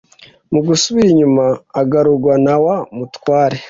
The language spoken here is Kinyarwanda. mugusubira inyuma agarurwa nawa mutware